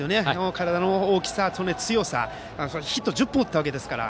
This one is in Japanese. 体の大きさ、強さ、ヒットを１０本打ったわけですから。